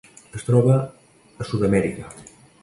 Es troba a Sud-amèrica: